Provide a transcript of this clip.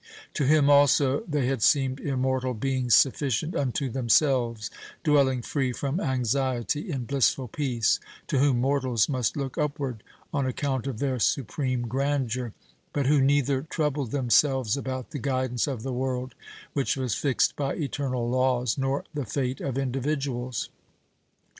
To him also they had seemed immortal beings sufficient unto themselves, dwelling free from anxiety in blissful peace, to whom mortals must look upward on account of their supreme grandeur, but who neither troubled themselves about the guidance of the world, which was fixed by eternal laws, nor the fate of individuals.